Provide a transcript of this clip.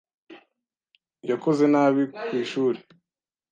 Yakoze nabi ku ishuri